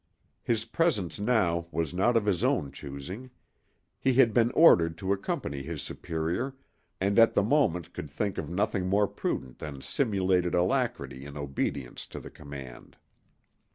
His presence now was not of his own choosing: he had been ordered to accompany his superior and at the moment could think of nothing more prudent than simulated alacrity in obedience to the command.